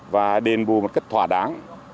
và đền bù một cách thỏa đáng